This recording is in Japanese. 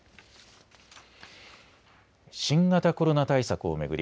新型コロナ対策を巡り